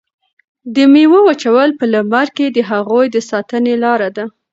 د میوو وچول په لمر کې د هغوی د ساتنې لاره ده.